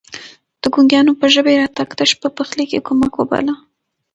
د ګونګيانو په ژبه يې راتګ تش په پخلي کې کمک وباله.